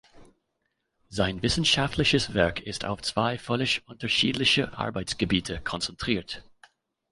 Sein wissenschaftliches Werk ist auf zwei völlig unterschiedliche Arbeitsgebiete konzentriert.